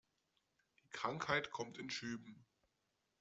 Die Krankheit kommt in Schüben.